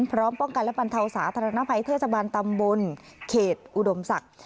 พร้อมป้องกันและบรรเทาสาธารณภัยเทศบาลตำบลเขตอุดมศักดิ์